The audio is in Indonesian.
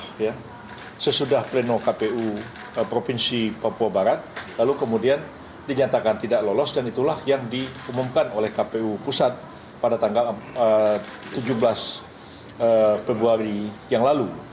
nah sesudah pleno kpu provinsi papua barat lalu kemudian dinyatakan tidak lolos dan itulah yang diumumkan oleh kpu pusat pada tanggal tujuh belas februari yang lalu